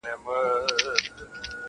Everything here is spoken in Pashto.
دلته تم سه چي بېړۍ دي را رسیږي-